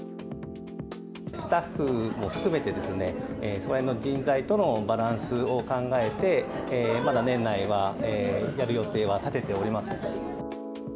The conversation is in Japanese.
スタッフも含めて、そのへんの人材とのバランスを考えて、まだ年内はやる予定は立てておりません。